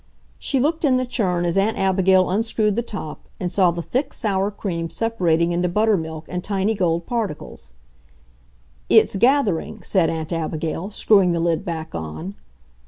She looked in the churn as Aunt Abigail unscrewed the top, and saw the thick, sour cream separating into buttermilk and tiny golden particles. "It's gathering," said Aunt Abigail, screwing the lid back on.